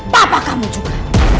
bapak kamu juga